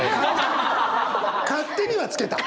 勝手には付けた。